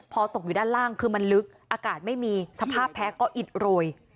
พอตกอยู่ด้านล่างคือมันลึกอากาศไม่มีสภาพแพ้ก็อิดโรย